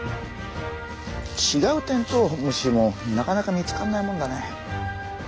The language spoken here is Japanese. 違うテントウムシもなかなか見つかんないもんだね。